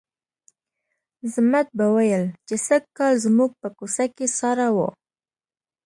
ضمټ به ویل چې سږکال زموږ په کوڅه کې ساړه وو.